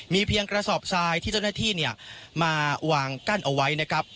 มีเพียงกระสอบทรายที่เจ้าหน้าที่มาวางกั้นเอาไว้นะครับ